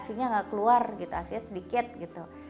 asi nya gak keluar gitu asi nya sedikit gitu